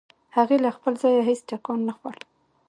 هغې له خپل ځايه هېڅ ټکان نه خوړ.